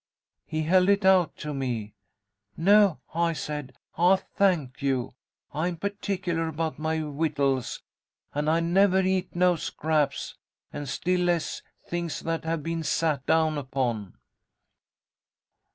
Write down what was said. He held it out to me. 'No,' I said. 'I thank you. I am particular about my vittles, and I never eat no scraps, and, still less, things what have been sat down upon.'